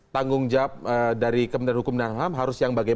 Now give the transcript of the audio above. tanggung jawab dari kementerian hukum dan ham harus yang bagian